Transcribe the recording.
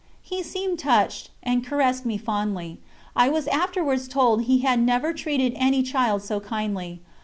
He seemed touched, and caressed me fondly. I was afterwards told he had never treated any child so kindly.